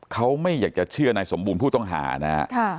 เขาไม่อยากจะเชื่อนายสมบูรณ์ผู้ต้องหานะฮะ